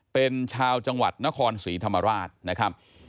เป็นชาวจังหวัดนครศรีธรรมราชนะครับ